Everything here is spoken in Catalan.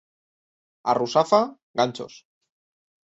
A Russafa, ganxos.